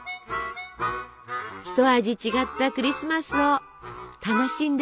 一味違ったクリスマスを楽しんで！